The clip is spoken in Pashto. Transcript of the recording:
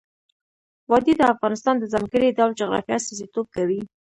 وادي د افغانستان د ځانګړي ډول جغرافیه استازیتوب کوي.